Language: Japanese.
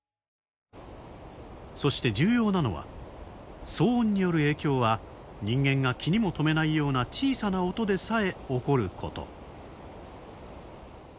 そして重要なのは騒音による影響は人間が気にも留めないような小さな音でさえ起こること。